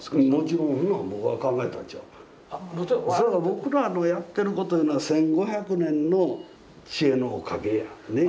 僕らのやってるこというのは１，５００年の知恵のおかげやね。